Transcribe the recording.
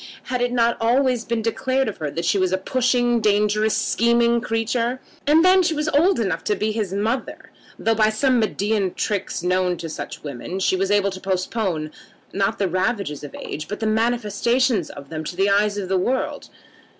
Had it not always been declared of her that she was a pushing, dangerous, scheming creature? And then she was old enough to be his mother, though by some Medean tricks known to such women, she was able to postpone, not the ravages of age, but the manifestation of them to the eyes of the world.